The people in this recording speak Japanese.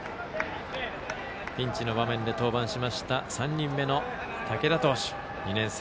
ピンチの場面で登板しました３人目の竹田投手、２年生。